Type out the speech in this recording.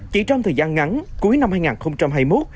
chỉ trong thời gian ngắn cuối năm hai nghìn hai mươi một